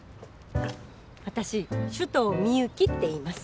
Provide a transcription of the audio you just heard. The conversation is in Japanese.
あっ私首藤ミユキっていいます。